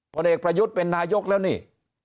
ผลเอกประยุทธ์เป็นนายกแล้วนี่